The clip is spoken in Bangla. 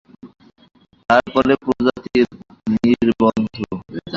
তার পরে প্রজাপতির নির্বন্ধ।